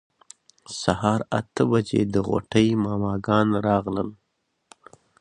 سهار اته بجې د غوټۍ ماما ګان راغلل.